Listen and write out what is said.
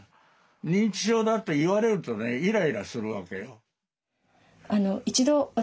認知症だと言われるとねイライラするわけよ。